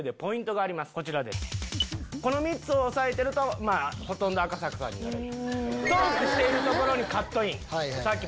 この３つを押さえてるとほとんど赤坂さんになれる。